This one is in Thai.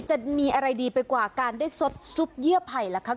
จะมีอะไรดีไปกว่าการได้สดซุปเยื่อไผ่ล่ะคะ